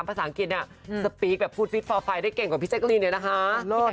ภาษาอังกฤษเนี่ยสปีกแบบฟูดฟิตฟอร์ไฟได้เก่งกว่าพี่แจ๊กรีนเลยนะคะ